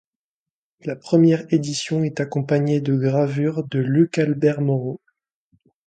La première édition est accompagnée de gravures de Luc-Albert Moreau.